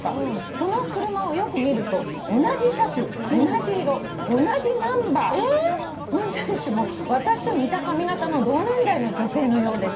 「その車をよく見ると同じ車種同じ色同じナンバー」「運転手も私と似た髪形の同年代の女性のようでした」